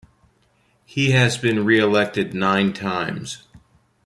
He has been reelected nine times.